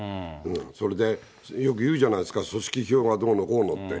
それでよく言うじゃないですか、組織票がどうのこうのって。